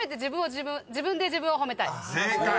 「自分で自分を褒めたい」［正解！］